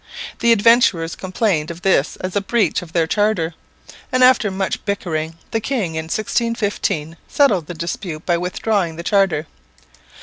The Adventurers complained of this as a breach of their charter; and, after much bickering, the king in 1615 settled the dispute by withdrawing the charter.